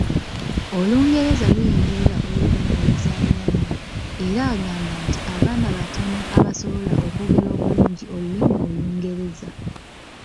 Olungereza luyingirira olulimi oluzaaliranwa, era agamba nti abaana batono abasobola okwogera obulungi olulimi Olungereza.